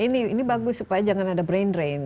nah ini bagus supaya jangan ada brain drain